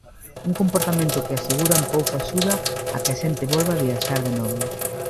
Un comportamento que, aseguran, pouco axuda a que a xente volva viaxar de novo.